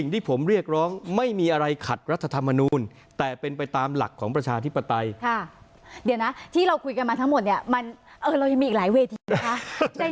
เดี๋ยวนะที่เราคุยกันมาทั้งหมดเนี่ยมันเออเรายังมีอีกหลายเวทีนะคะ